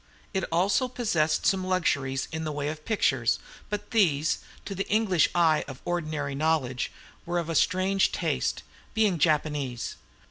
It also possessed some luxuries in the way of pictures; but these, to the English eye of ordinary knowledge, were of a strange taste, being Japanese.